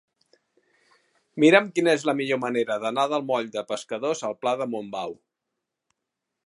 Mira'm quina és la millor manera d'anar del moll de Pescadors al pla de Montbau.